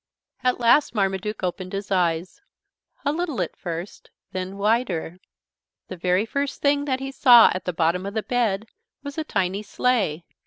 At last Marmaduke opened his eyes, a little at first, then wider. The very first thing that he saw at the bottom of the bed was a tiny sleigh.